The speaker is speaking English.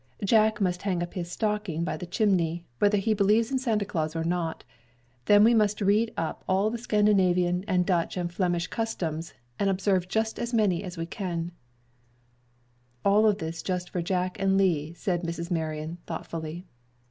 Jack must hang up his stocking by the chimney, whether he believes in Santa Claus or not. Then we must read up all the Scandinavian and Dutch and Flemish customs, and observe just as many as we can." "And all this just for Jack and Lee," said Mrs. Marion, thoughtfully.